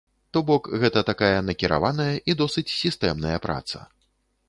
То бок, гэта такая накіраваная і досыць сістэмная праца.